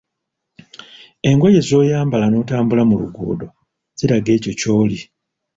Engoye z‘oyambala n‘otambula mu luguudo ziraga ekyo ky‘oli.